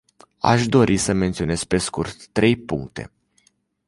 Aș dori să menționez pe scurt trei puncte.